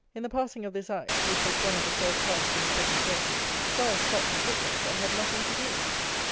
In the passing of this Act, which was one of the first passed in the present reign, 'Squire Scot, the brickmaker, had nothing to do.